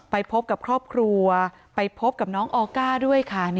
ไปพบกับครอบครัวไปพบกับน้องออก้าด้วยค่ะ